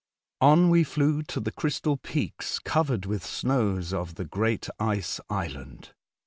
On we flew to the crystal peaks covered with snows of the great Ice Island.